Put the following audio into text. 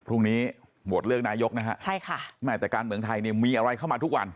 พรุ่งนี้โหวตเลือกนายกนะฮะใช่ค่ะแม่แต่การเมืองไทยเนี่ยมีอะไรเข้ามาทุกวัน